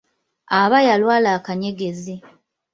Aba yalwala akanyegezi.